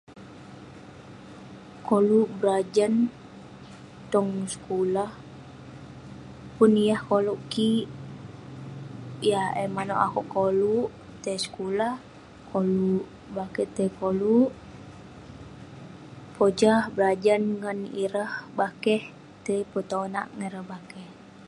Koluk berajan tong sekulah. Pun yah koluk kik, yah eh manouk akouk koluk tai sekulah, [unintelligible] tai koluk pojah berajan ngan ireh bakeh, tai petonak ngan ireh bakeh.